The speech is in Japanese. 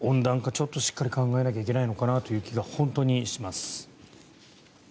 ちょっとしっかり考えなきゃいけないのかなという気が本当にします。